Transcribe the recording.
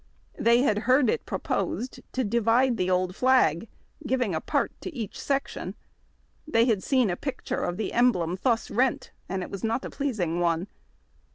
They had heard it proposed to divide the old flag, giving a part to each section. They had seen a picture of the emblem thus rent, and it was not a pleasing one.